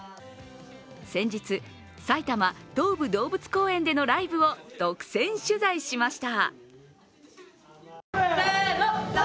先日、埼玉・東武動物公園でのライブを独占取材しました。